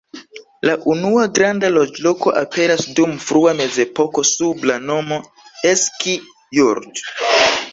La unua granda loĝloko aperas dum frua mezepoko sub la nomo "Eski-Jurt".